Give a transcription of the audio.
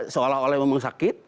seolah olah memang sakit